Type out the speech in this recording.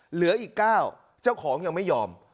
เหลืออีก๙เจ้าของยังไม่ยอม